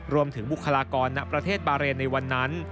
รวมถึงบุคลากรณประเทศบาเลในวันนั้น